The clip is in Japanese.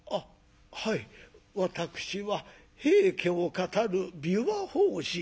私は『平家』を語る琵琶法師」。